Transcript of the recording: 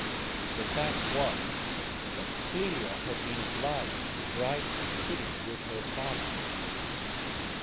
The fact was that Clélia had been obliged to drive to the city with her father.